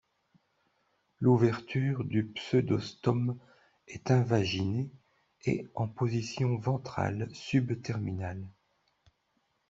L'ouverture du pseudostome est invaginée et en position ventrale sub-terminale.